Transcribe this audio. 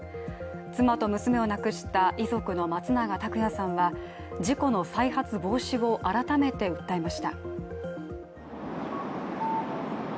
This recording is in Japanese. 妻と娘を亡くした遺族の松永拓也さんは事故の再発防止を改めて訴えました。